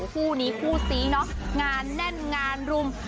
คู่นี้คู่ซีเนอะงานแน่นงานรุม